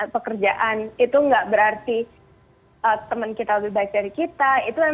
pekerjaan itu gak berarti teman kita lebih baik dari kita